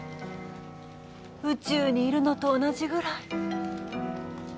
宇宙にいるのと同じぐらい。